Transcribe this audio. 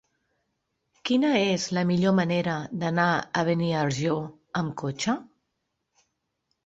Quina és la millor manera d'anar a Beniarjó amb cotxe?